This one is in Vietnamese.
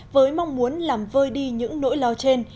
với mong muốn làm vơi đi những nỗi lao trên